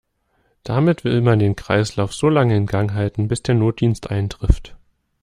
Damit will man den Kreislauf solange in Gang halten, bis der Notdienst eintrifft.